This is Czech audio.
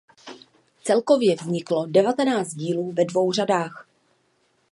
Celkově vzniklo devatenáct dílů ve dvou řadách.